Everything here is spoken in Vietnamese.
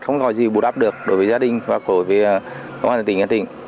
không có gì bù đắp được đối với gia đình và công an tỉnh hà tĩnh